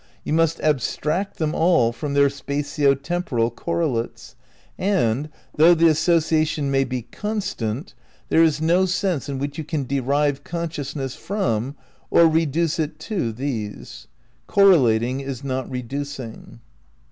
You must abstract them all from their spatio temporal correlates; and, though the associa tion may be constant, there is no sense in which you can derive consciousness from or reduce it to these. Correlating is not reducing.